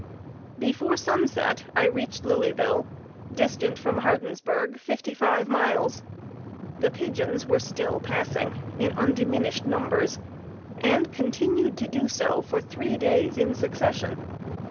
Before sunset I reached Louisville, distant from Hardensburgh fifty five miles. The pigeons were still passing in undiminished numbers, and continued to do so for three days in succession.